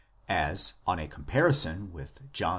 As, on a comparison with John vi.